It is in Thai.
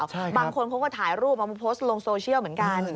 บางคนเขาก็ถ่ายรูปเอามาโพสต์ลงโซเชียลเหมือนกัน